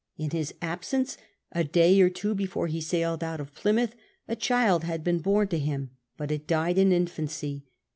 In his absence — a day or two before ho sailed out of Plymouth — a child had been born to him, but it died in infancy.